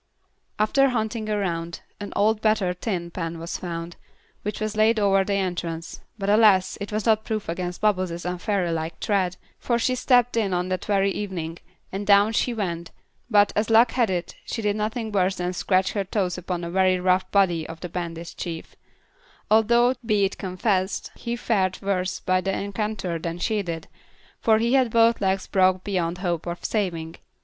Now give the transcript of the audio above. After hunting around, an old battered tin pan was found, which was laid over the entrance, but, alas! it was not proof against Bubbles' unfairy like tread, for she stepped on it that very evening, and down she went, but, as luck had it, she did nothing worse than scratch her toes upon the very rough body of the bandit chief; although, be it confessed, he fared worse by the encounter than she did, for he had both legs broken beyond hope of saving.